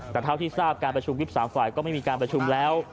แต่เท่าที่ทราบการประชุม๒๓ฝ่ายก็ไม่มีการประชุมแล้ว